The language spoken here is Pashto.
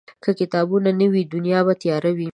که کتابونه نه وي، دنیا به تیاره وي.